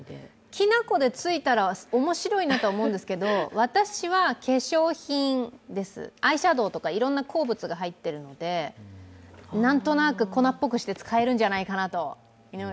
きな粉でついたら面白いなと思うんですけど私は化粧品です、アイシャドウとかいろんな鉱物が入っているので、何となく粉っぽくして使えるんじゃないかと。